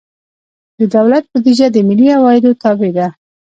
د دولت بودیجه د ملي عوایدو تابع ده.